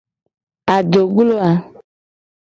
Adoglo a.